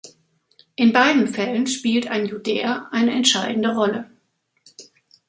In beiden Fällen spielt ein Judäer eine entscheidende Rolle.